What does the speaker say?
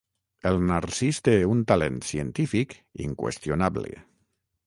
El Narcís té un talent científic inqüestionable.